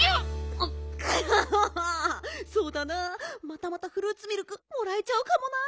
またまたフルーツミルクもらえちゃうかもな。